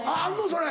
それ。